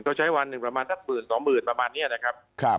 ก็ใช้วันหนึ่งประมาณสักหมื่นสองหมื่นประมาณนี้นะครับ